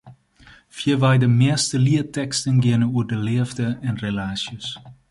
Fierwei de measte lietteksten geane oer de leafde en relaasjes.